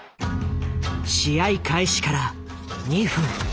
試合開始から２分